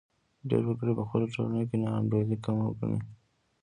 ډېر وګړي په خپله ټولنه کې ناانډولي کمه ګڼي.